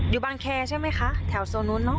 อยู่บางแคร์ใช่ไหมคะแถวโซนู้นเนอ